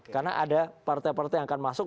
karena ada partai partai yang akan masuk